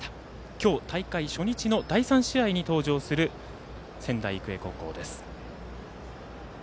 今日、大会初日の第３試合に登場する仙台育英高校です。